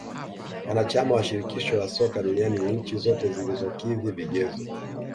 Wanachama wa shirikisho la soka duniani ni nchi zote zilizokidhi vigezo